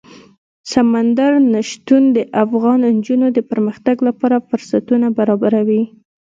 سمندر نه شتون د افغان نجونو د پرمختګ لپاره فرصتونه برابروي.